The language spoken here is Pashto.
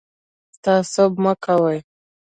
تعصب مه کوئ